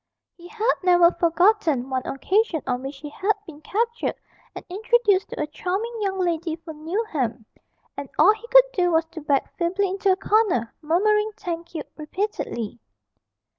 He had never forgotten one occasion on which he had been captured and introduced to a charming young lady from Newnham, and all he could do was to back feebly into a corner, murmuring 'Thank you' repeatedly.